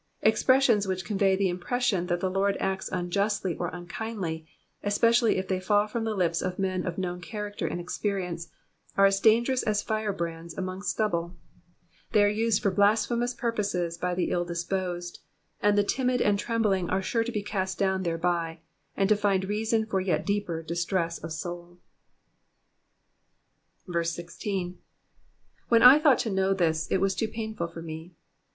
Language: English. Expressions which convey the impression that the Lord acts unjustly or unkindly, especially if they fall from the lips of men of known character and experience, are as dangerous as firebrands among stubble ; they are used fur blasphemous purposes by the ill disposed ; and the timid and trembling are sure to be cast down thereby, and to find reason for yet deeper distress of soul. 16. ''''When I thought to know this, it was too painful for me.'